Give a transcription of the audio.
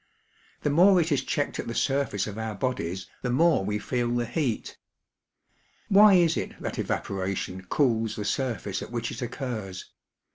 The more it is checked at the surface of our bodies, the more we feel the heat. Why is it that evaporation cools the surface at which it occurs?